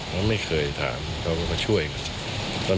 เขาไม่เคยถามเขาก็มาช่วยกัน